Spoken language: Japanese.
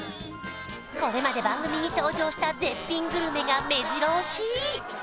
これまで番組に登場した絶品グルメがめじろ押し